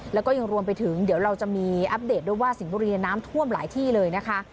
แล้วก็ยังรวมไปถึงเดี๋ยวเราจะมีอัปเดตด้วยว่าสิงห์บุรีน้ำท่วมหลายที่เลยนะคะ